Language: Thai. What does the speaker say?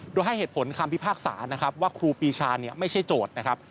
โดยให้เหตุผลคำพิพากษานะครับว่าครูปีชาไม่ใช่โจทย์นะครับ